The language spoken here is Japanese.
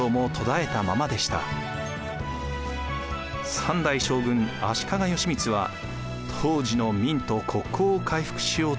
３代将軍足利義満は当時の明と国交を回復しようとします。